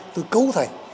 tôi cấu thành